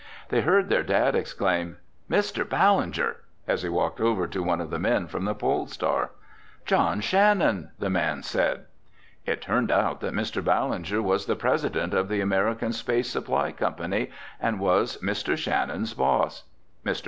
They heard their dad exclaim, "Mr. Ballinger!" as he walked over to one of the men from the Pole Star. "John Shannon!" the man said. It turned out that Mr. Ballinger was the president of the American Space Supply Company and was Mr. Shannon's boss. Mr.